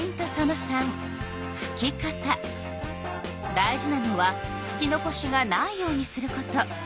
大事なのはふき残しがないようにすること。